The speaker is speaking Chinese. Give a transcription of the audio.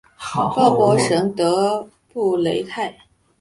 鲍博什德布雷泰。